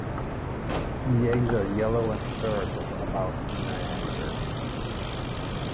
The eggs are yellow and spherical, about in diameter.